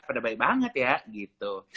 pada baik banget ya gitu